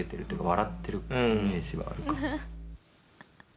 笑ってるイメージはあるかも。